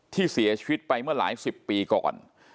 ที่เสียชีวิตไปเมื่อหลายสิบปีก่อน